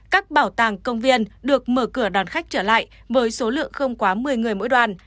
các bảo tàng công viên được mở cửa đón khách trở lại với số lượng không quá một mươi người mỗi đoàn